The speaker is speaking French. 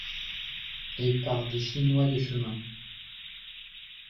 Et par des chinois de chemins.